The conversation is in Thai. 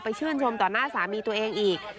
ชื่นชมต่อหน้าสามีตัวเองอีก